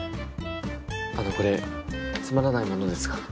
あのこれつまらないものですが。